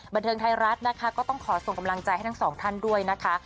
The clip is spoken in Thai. บันเทิงไทยรัฐนะคะก็ต้องขอส่งกำลังใจให้ทั้งสองท่านด้วยนะคะ